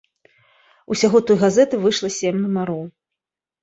Усяго той газеты выйшла сем нумароў.